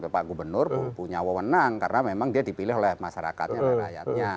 pak gubernur punya wewenang karena memang dia dipilih oleh masyarakatnya dan rakyatnya